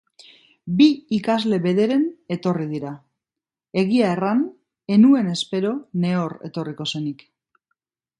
Bi ikasle bederen etorri dira, egia erran ez nuen espero nehor etorriko zenik.